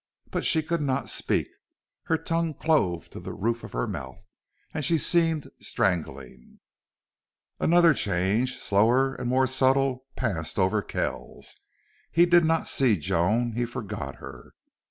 But she could not speak. Her tongue clove to the roof of her mouth and she seemed strangling. Another change, slower and more subtle, passed over Kells. He did not see Joan. He forgot her.